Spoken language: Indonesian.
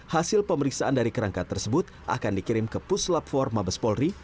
hasil pemeriksaan dari kerangka tersebut akan dikirim ke puslab for mabespolri